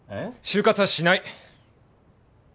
就活はしない！